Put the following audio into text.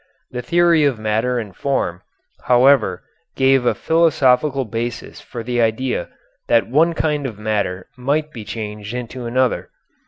The theory of matter and form, however, gave a philosophical basis for the idea that one kind of matter might be changed into another.